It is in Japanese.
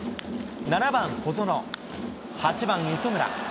７番小園、８番磯村。